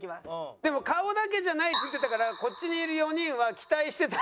でも顔だけじゃないって言ってたからこっちにいる４人は期待してたんですよ。